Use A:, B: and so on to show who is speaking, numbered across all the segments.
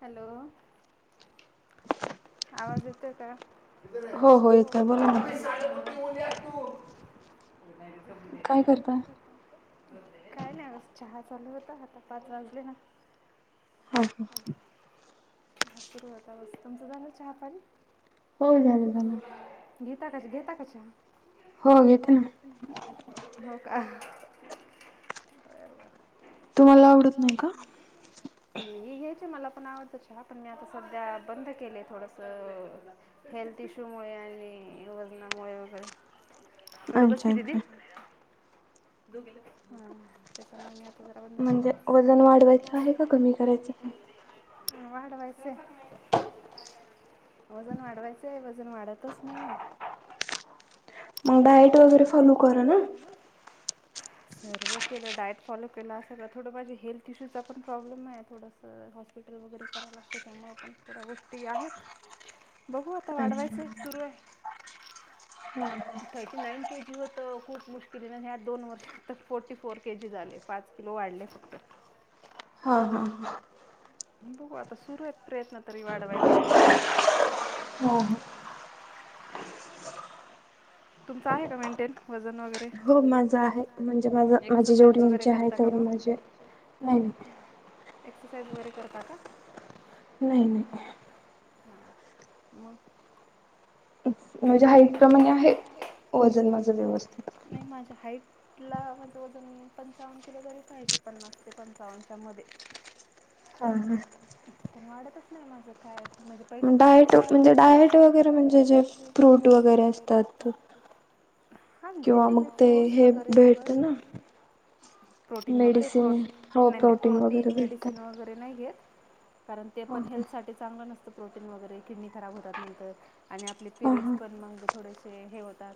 A: Hello. आवाज येतोय का?
B: काय करताय?
A: काय नाही बस चहा चालू होता. आता पाच वाजले ना?
B: ह ह
A: हा सुरुवात बस तुमचं झालं चहापाणी
B: होन जालं झाला
A: घेता क घेता कशा हो हो का तु मला आवड का मी घ्यायच मला पण आवडत ह पण मी आता सध्या बंद केले थोडस हेल्थ इश्यू मु आणि ऊन नामुळेय वगैरे. एवढं बस कि दिदी ह त्याच्यामुळे मी. रा बले वाड वायचे. वजन वाढवायचं आहे वजन वाढतच नाही.
B: मग डायट वगैरे फॉलो करा ना.
A: सर्व केलं डायट फॉलो केलं असं थोडं माझे हेल्थ इश्यूचा पण प्रॉब्लेम आहे थोडस. हॉस्पिटल वगैरे करायला त्याच्यामुळे पण थोड्या गोष्टी आहेत.
B: [inaudible]
A: बघू आता वाढवायचंय सुरू आहे. थर्टी नाईन के जी होत खूप मुश्किल दोन वर्ष फोर्टी फोर के जी झाले पाच किल वाढले.
B: हा हा हा.
A: बघू आता सुरू आहेत प्रयत्न तरी वाढवायचे.
B: हो.
A: तुमचं आहे का मेंटेन वजन वगैरे. खू म एक्सरसाइज वगैरे करता काम.
B: नाही
A: एक्सरसाइज वगैरे करता का
B: नाही नाही
A: ह मग
B: म्हणजे हाईट प्र्रमाणे आहे वजन माझ व्यवस्थित
A: कु ला म्हणझं वजन पंचावन्न किलो तरी पाहिजे पन्नास ते पंचावन्नच्या मध्ये पण वाढतच नाही माझं काय म्हणजे पहिल्यापासून डायट म्हणजे डायट वगैरे
B: फ्रूट वगैरे असतात किंवा मग ते हे भेटते ना
A: प्रोटीन वगैरे नाही प्रोटीन मेडिसिन वगैरे नाही घेत कारण ते पण हेल्थ सा चांगलं नसतं प्रोटीन वगैरे किडनी खराब होतात नंतर आणि पिरियड्स पण मग थोडेसे हे होतात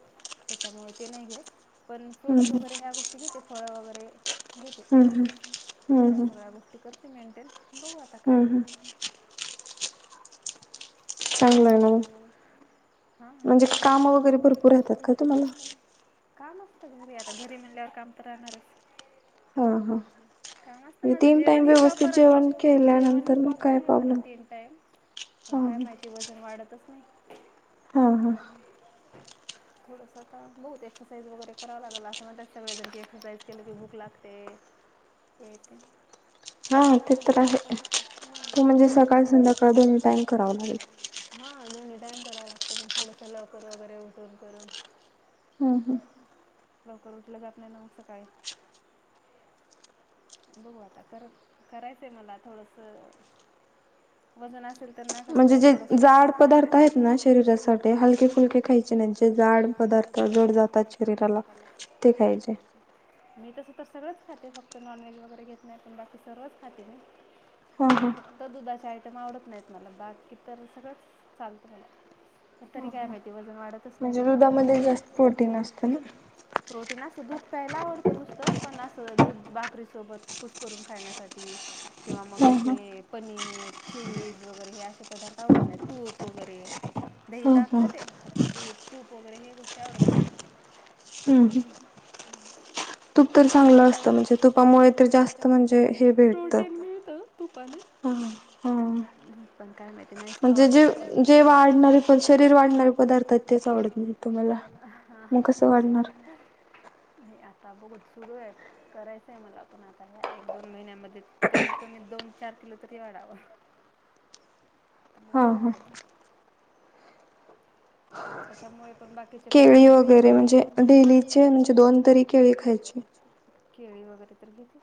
A: त्याच्यामुळे ते नाही घेत पण फ्रूट्स वगैरे ह्या गोष्टी घेते फळ वगैरे घेते त्या सगळ्या गोष्टी करते मेंटेन बघू आता काय च म हा म्हणजे काम वगैरे तर पुरतात का तु मला काम असत घरी आता घरी म्हणल्यावर काम तर राहणारच का मस्त माझं जेवणही प्रॉपर आहे जेवण ह प्रॉपर आहे माझं तीन टाइम पण काय माहिती वजन वाढतच नाही
B: हा हा
A: थोडंसं आता बघुत एक्सरसाईज वगैरे करावं लागेल असं म्हणतात सगळे जण की एक्सरसाइज केलं की भूक लागते येत
B: हा ते तर आहे तू म्हणजे सकाळ संध्याकाळ दोन्ही टक
A: ह लोन टाइम करावा लागतो पण थोडस लवकर वगैरे उठून करून
B: हम्म हम्म
A: लवकर उटला जात नाही ना मग सकाळी बघू आता कर करायचंय मला थोडस वजन असेल तर ना कस थोडंसं म्हणजे जे जाड पदार्थ आहेत ना शरीरासाठी हलके फुलके खायचे म्हणजे जाड [unintelligible] जोड जातात शरीराला ते पाजे नाही तस सगळंच खाते फक्त नॉनव्हेज वगैरे घेत नाही पण बाकी सर्वच खाते मी आणि फक्त दुधाच्या आवत नाही मला बाकी तर सगळ चालत तरी काय माहित वजन वजन वाढतच नाही बघू दुधात जास्त प्रोटीन असतं प्रोटीन असतं असं दुध प्यायला आवडतो नुसत पण अस दुध बाकरी सोबत कुसकरून खाण्यासाठी किंवा मग त्याचे पनीर चीज वगैरेहे अस असे पदार्थ आवडत नाही तूप वगैरे दही ताक खाते फक्त दूध तूप वगैरे हे गोष्टी आवडत
B: हम्म ह तूप तर चांगलं असतं म्हणजे तुपामुळे
A: तुपा मुळे जास्त म्हणजे प्रोटीन मिळत तुपाने ह् पण काय माहिती नाहीच खावाट जेजेजे वाढणारे पण शरीर वाढणारे पदार्थात ते आवडत
B: तुम्हाला मग कसं वाढणार
A: आता बघू सुरू आहे करायचंय मला पण आता ह एक दोन महिन्यामध्ये कमीत कमी दोन चार किलो तरी वाढावं
B: [inaudible]
A: तर मग काय होत त्यांच्या मुळे पण बाकी पण केळी वगैरे म्हणजे डेली चे म्हणजे दोन तरी केळी खायची केळी वगैरे तर घेतेते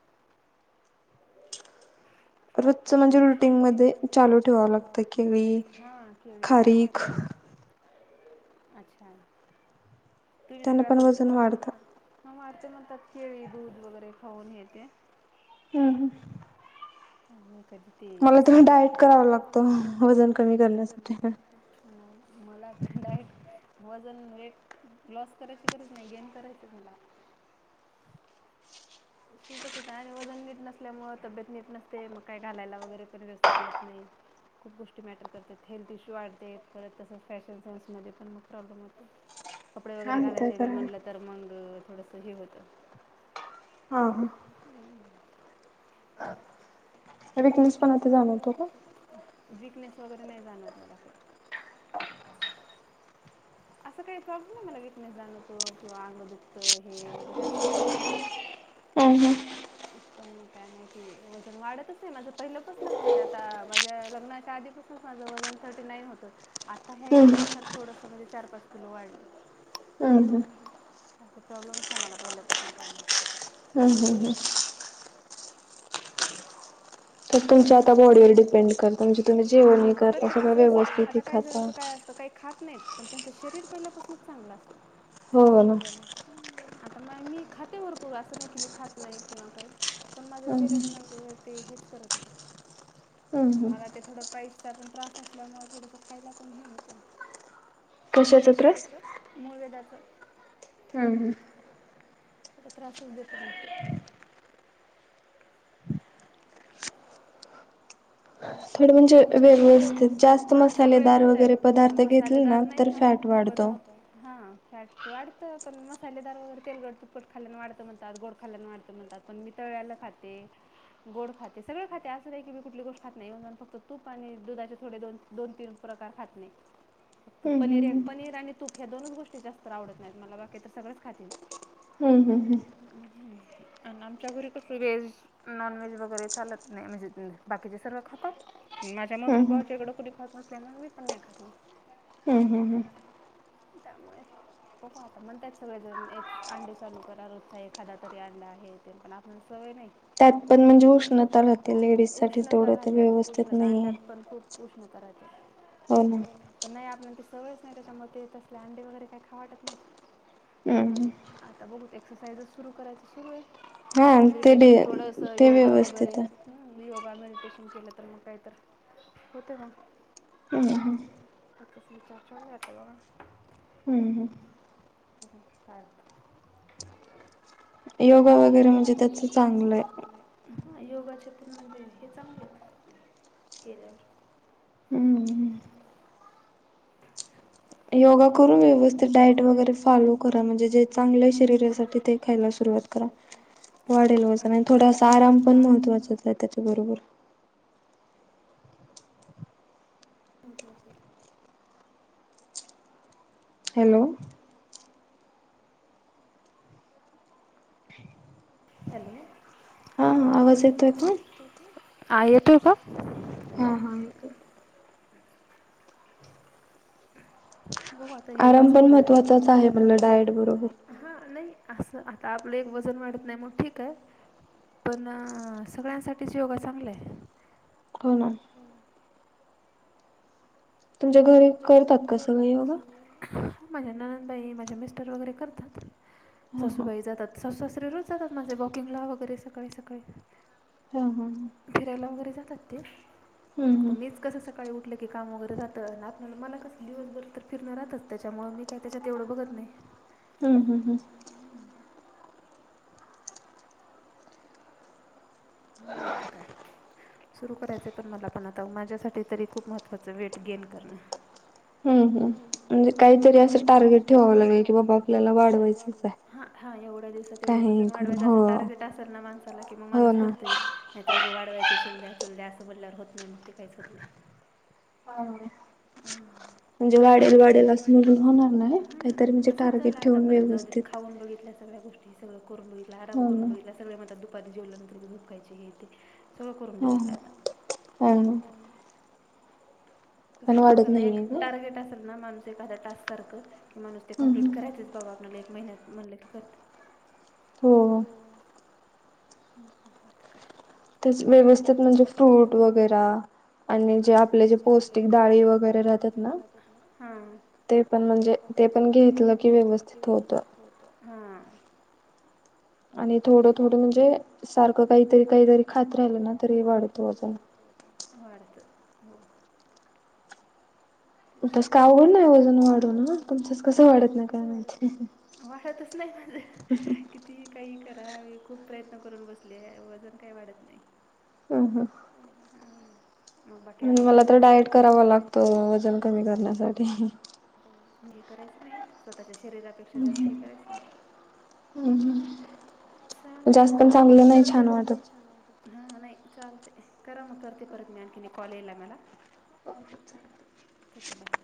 B: रोजच म्हणजे, रुटीन मध्ये चालू ठेवाव लागतं, कि मी खारीक [inaudible]
A: अच्छा. तुम्ही सगळ्या गोष्टी फॉलो करून आणता. ह वााढते म्हणतात केळी, दूध वगैरे खाऊन हे ते-
B: हम्म हम्म.
A: हुं. कधी ते अस म्हणजे मला कि नाही डाईट कराव लागतो वजन कमी करण्यासाठी मला डाईट वज वेट लॉस करायची गरज नाही, गेन करायची तुला. सूटच होते आणि वजन नीट नसल्यामुळे तब्येत नीट नसते, मग काय घालायला वगैरे पण व्यवस्थित येत नाही. खूप गोष्टी मॅटर करतात. हेल्थ इश्यू वाढते आहेत परत तसं फॅशन सेन्स, मध्ये पण मग प्रॉब्लेम होतो. कपडे वगैरे घालायचे मी म्हणलं, तर मंग थोडस हे होत. ह हम्म.
B: ह.
A: विकनेस वगैरे काही जाणवतो का? विकनेस वैगेरे नाही जाणवत मला काही. असं काही प्रॉब्लेम नाही मला, विकनेस जाणवतो किंवा अंग दुखतं, हे वगैरे असं काहीच नाही. हम्. पण काय माहिती, वजन वाढतच नाही माझं पहिलंपासूनच, म्हणजे आता माझ्या लग्नाच्या आधीपासूनच माझ वजन थर्टी नाइन होत आता ह्या एक वर्षात थोडंसं, म्हणजे चार, पाच किलो वाढले. प्रॉब्लेमच आहे मला पहिल्यापासून, काय माहिती.
B: हम् हम् हम्.
A: तुमच्या आता बॉडीवर डिपेंड करत, म्हणज तुमचं जेवण प्रत्येकाच आता काही जणच काय असत. काही खात नाही पण त्यांच शरीर पहिल्या पासन चांगलं असतं. तर मग मी खाते भरपूर. असं नाही की मी खात नाही, किंवा काही पण माझं शरीर मग ते हे मला ते थोडं पाईल्स पण त्रास असल्यामुळे, थोडस खायला पण हे होत कशाच त्रास? मूळवेदाच.
B: हम्म हम्म.
A: त्रासच दित मग ते.
B: थोड म्हणजे वेगलं असते, जास्त मसालेदार वगैरे पदार्थ घेतले ना तर फॅट
A: हा. बरं मग हा. फॅट वाढतं पण मसालेदार वगैरे तेलकट, तुपकट खाल्ल्यान वाढत म्हणतात. गोड खाल्ल्यान. पण वाढत म्हणतात पण मी तळ े खाते, गोड खाते, सगळ खाते, अस नाही की मी कुठली गोष्ट खाते फक्त तूप आणि दुधाचे थोडे दोन तीन प्रकार खात नाही. पनीर, पनीर आणि तूप या दोनच गोष्टी जास्त आवडत नाहीत मला. बाकी तर सगळंच खाते मी. हम् ह् हम्. आमच्या घरी कस व्हेज, नॉन व्हेज, वगैरे चालत नाही म्हणजे बाकीचे सर्व खातात. माझ्या मम्मी बाबा च्याकडें कुनी खात नसल्याने मग मी पण नाही खात
B: हम्म हम् हम्म.
A: त्यामुळे पण आता म्हणतयात सगळे जण, एक अंडे चालू करा रोज खा एखादा तरी अंडा. ते पण आपल्याला सवय नाही.
B: त्यात पण म्हणजे, उष्णता राहते, लेडीज साठी तेवढं.
A: प उष्ण अंड्यात पण खूप उष्णता राहते. पण नाही आप त सवयच नाही त्याच्या मुळे ते तसले अंडे वगैरे काही खावू वाटत नाही. आता बघू, एक्सरसाइज सुरु करायच. सुरू आहे. मेडिटेशन, थोडस योगा, वगैरे योगा मेडी टेशन केलं तर मग काहीतर. होतं मग. त्याचाच विचार चाललंय आता करपतात.
B: योगा वगैरे म्हणजे त्याच चांगलंय.
A: हा योगाचे पूर्ण निघते. [inaudible] हे चांगले आहेत केल्यावर. [inaudible]
B: योगा करून व्यवस्थित डाईट वगैरे फॉलो करा म्हणजे जे चांगले शरीरासाठी ते खायला सुर सुरवात करा वाढेल वजन थोडा असा आराम पण महत्त्वाचा आहे त्याच्यात. बरोबर.
A: महत्त्वाच हाय.
B: हॅलो. [inaudible]
A: हॅलो [inaudible] आ येतोय का?
B: ह, हा येतोय.
A: बघूआता योगाचं वगैरे [inaudible] हा. असं आता आपलं एक वजन वाढत नाही मग ठीक आहे. पण सगळ्यांसाठीच योगा चांगलाय.
B: हो ना. तुमच्या घरी करतात का सगळे योगा?
A: माझ्या ननंदबाई, माझ्या मिस्टर वगैरे करतात सासूबाई जातात सात वा दररोज जातात माझे वॉकिंगला वगैरे सकाळी सकाळी [inaudible] फिरायला वगैरे जाता जाते फक्त मीच कस सकाळी उठलं की काम वगैरे राहत म्हणलं मला कस दिवसभर तर फिरणं राहच त्याच्यामुळे मी काय त्याच्यात एवढं बघत नाही. ह, ह, ह. मग होत काय? सुरू करायचे पण मला पण आता माझ्यासाठी तरी खूप महत्त्वाचं वेट गेन करणं. हम्,. हम म्हणजे काहीतरी असं टार्गेट ठेवावं लागेल की बाबा आपल्याला वाढवा हा एवढ्या दिवसात तेवढे वजन वाढवायंच असं टार्गेट असेल ना माणसाला की मग माणूस पूर्ण नाहीत रुगं वाढवायच चल द्या चल द्या असं बोलल्यावर होत नाही मग ते काहीच होत नाही. हा. म्हणजे वाढेल, वाढेल अस तसच झालं आता परत जाऊ खाऊन बघितल्या सगळ्या गोष्टी सगळं करून बघितलं आराम करून सगळे म दुपारी जेवल्यानंतर झुपकायची घेते. सगळं करून बघितलं आता. [inaudible] तस माणसाला एक टार्गेट असेल ना माणूस एखादया टास्क सारखं माणूस ते कंम्पलीट करायचेच बाबा आपल्याला एक महिन्यात म्हणलं की करतं.
B: हो, हो.
A: बघू आता काय?
B: तेच व्यवसस्थित म्हणजे फ्रुट वगैरा आणि जे आपले जे पौष्टिक
A: पौष्टिक डाळी वगैरे जातात ना. ते पण म्हणजे ते पण घेतलं कि व्यवस्थित होतय.
B: आणि थोडं-थोडं म्हणजे सारखं काहीतरी काहीतरी खात
A: हो ना तरी वाढत वजन वाढत हो. तस काय आवघड नाही वजन वाढवन मग तुमचं कस वाढत नाही काय माहीत? वाढतच नाही. कितीही काहीही करा मी खूप प्रयत्न कर करून बसले आहे वजन काही वाढत नाही. ह, ह, हा.
B: मला तर डायट करावा लागतो वजन कमी करण्यासाठी.
A: हे करायचं नाही. स्वतःच्या शरीरापेक्षा जास्त हे करायचं नाही चालतय करा मग जास्त तर ते म् हां नाही चालते करा मग करते परत मी आणखीन एक कॉल येला मला चालते बाय.